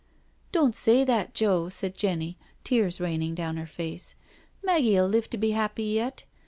" Don't say that, Joe," said Jenny, tears raining down her face. " Maggie'uU live to be happy yet.